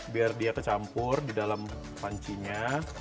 biar dia kecampur di dalam pancinya